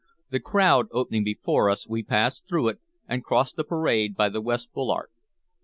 The crowd opening before us, we passed through it, and crossed the parade by the west bulwark.